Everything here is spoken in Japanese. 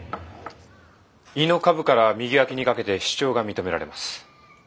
胃の下部から右わきにかけて腫脹が認められます。